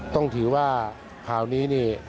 ต้องถือว่าคราวนี้นี่